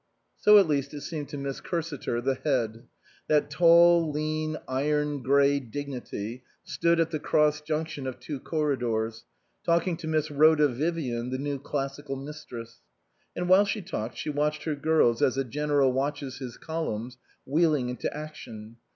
So at least it seemed to Miss Cursiter, the Head. That tall, lean, iron grey Dignity stood at the cross junction of two corridors, talk ing to Miss Rhoda Vivian, the new Classical Mistress. And while she talked she watched her girls as a general watches his columns wheeling into action.